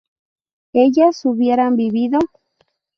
¿ellas hubieran vivido?